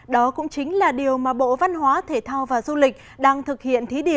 đó cũng chính là điều mà bộ văn hóa thể thao và du lịch đang thực hiện